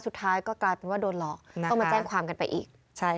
สุดท้ายก็กลายเป็นว่าโดนหลอกต้องมาแจ้งความกันไปอีก